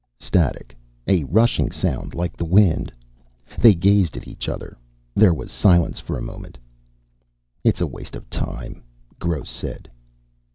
Static. A rushing sound, like the wind. They gazed at each other. There was silence for a moment. "It's a waste of time," Gross said.